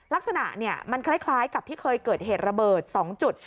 ลักษณะมันคล้ายกับที่เคยเกิดเหตุระเบิด๒จุด